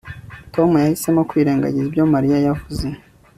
Tom yahisemo kwirengagiza ibyo Mariya yavuze